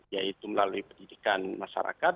yaitu melalui pendidikan masyarakat